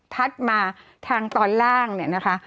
มาทางตอนล่างเนี่ยนะคะ